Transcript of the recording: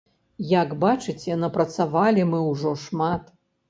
Як бачыце, напрацавалі мы ўжо шмат.